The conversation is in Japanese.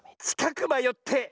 「ちかくばよって」。